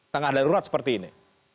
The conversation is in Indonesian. tengah darurat seperti ini